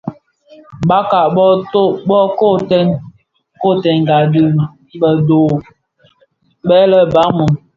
Bakpag bō kotèn kotènga dhi bë dho bë lè baloum,